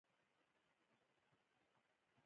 ازادي راډیو د ترانسپورټ حالت ته رسېدلي پام کړی.